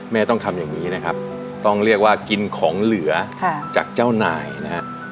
ต้องทำอย่างนี้นะครับต้องเรียกว่ากินของเหลือจากเจ้านายนะฮะ